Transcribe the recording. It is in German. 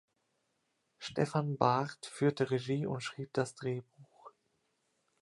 Stefan Barth führte Regie und schrieb das Drehbuch.